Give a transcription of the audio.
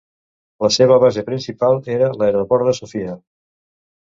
La seva base principal era l'aeroport de Sofia.